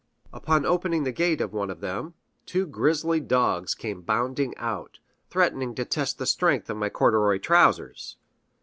Upon opening the gate of one of them, two grizzly dogs came bounding out, threatening to test the strength of my corduroy trousers.